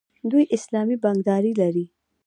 دوی اسلامي بانکداري لري.